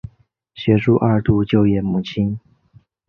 协助二度就业母亲